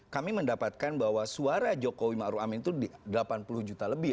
kami mendapatkan bahwa suara jokowi ma'ruw amin itu delapan puluh juta lebih